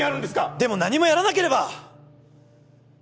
でも何もやらなければ！